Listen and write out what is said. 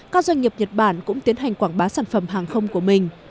các doanh nghiệp nhật bản cũng tiến hành quảng bá sản phẩm hàng không của mình